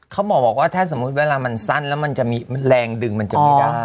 เขาบอกว่าถ้าสมมุติเวลามันสั้นแล้วมันจะมีแรงดึงมันจะไม่ได้